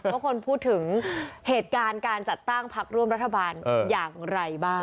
ว่าคนพูดถึงเหตุการณ์การจัดตั้งพักร่วมรัฐบาลอย่างไรบ้าง